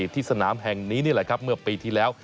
ที่สนามแห่งนี้นี่แหละครับเมื่อปีที่แล้ว